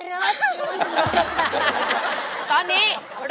เพื่อนรักไดเกิร์ต